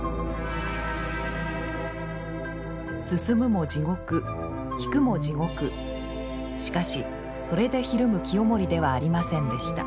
進むも地獄引くも地獄しかしそれでひるむ清盛ではありませんでした。